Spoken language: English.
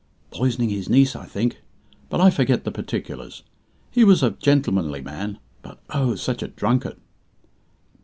"Poisoning his niece, I think, but I forget the particulars. He was a gentlemanly man, but, oh, such a drunkard!"